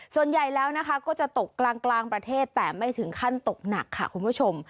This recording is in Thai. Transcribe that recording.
ส่วนใหญ่แล้วนะคะก็จะตกกลางประเทศแต่ไม่ถึงขั้นตกหนักค่ะคุณผู้ชม